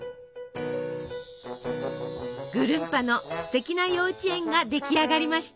ぐるんぱのすてきな幼稚園が出来上がりました。